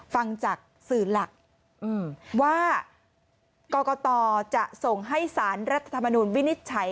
ฟังจากสื่อหลักว่ากรกตจะส่งให้สารรัฐธรรมนูลวินิจฉัย